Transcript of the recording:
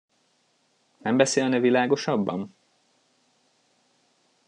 Nem beszélne világosabban?